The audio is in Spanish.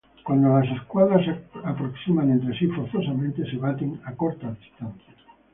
Cuando las escuadras se aproximan entre sí forzosamente se baten a corta distancia.